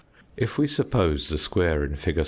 If we suppose the square in fig.